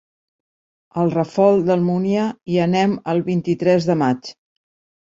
A el Ràfol d'Almúnia hi anem el vint-i-tres de maig.